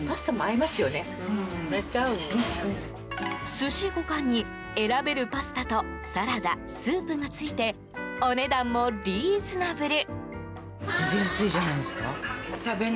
寿司５貫に、選べるパスタとサラダ、スープがついてお値段もリーズナブル。